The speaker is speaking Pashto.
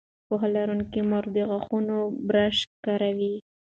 پوهه لرونکې مور د غاښونو برش کاروي.